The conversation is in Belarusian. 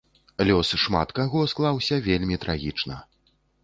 Лёс шмат каго склаўся вельмі трагічна.